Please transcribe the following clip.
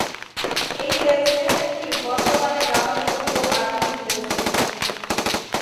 এই রেলস্টেশনটি বর্তমানে জনবহুল ও আধুনিক রেলস্টেশন।